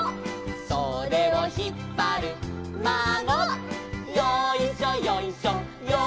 「それをひっぱるまご」「よいしょよいしょよいしょ」